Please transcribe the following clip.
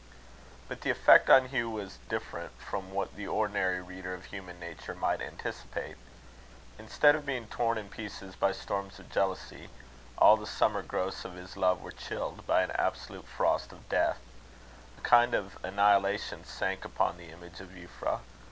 But the effect on Hugh was different from what the ordinary reader of human nature might anticipate. Instead of being torn in pieces by storms of jealousy, all the summer growths of his love were chilled by an absolute frost of death. A kind of annihilation sank upon the image of Euphra.